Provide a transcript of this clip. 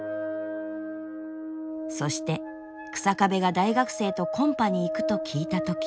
そして日下部が大学生とコンパに行くと聞いた時。